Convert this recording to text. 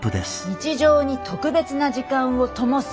「日常に特別な時間を灯す」